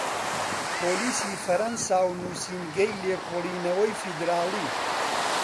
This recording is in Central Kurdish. پۆلیسی فەرەنسا و نوسینگەی لێکۆڵینەوەی فیدراڵی